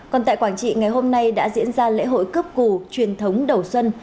còn tại quảng trị ngày hôm nay đã diễn ra lễ hội cướp cù truyền thống đầu xuân